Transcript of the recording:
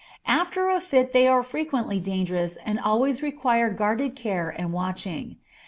After a fit they are frequently dangerous and always require guarded care and watching.